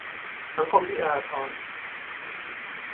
สังคมที่เอื้ออาทร